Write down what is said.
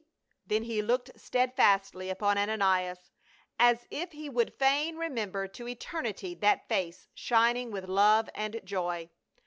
Then he looked steadfastly upon Ananias, as if he would fain remem ber to eternity that face shining with love and joy.